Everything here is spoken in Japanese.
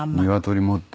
鶏持って。